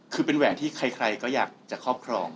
คือเป็นแหวนที่ใครก็อยากจะครอบครอง